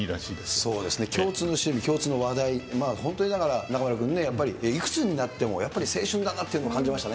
そうですね、共通の趣味、共通の話題、本当にだから中丸君ね、やっぱりいくつになっても、やっぱり青春だなっていうのを感じましたね。